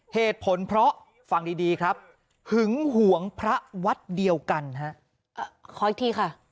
เหตุผลเพราะฟังดีดีครับหึงหวงพระวัดเดียวกันฮะขออีกทีค่ะ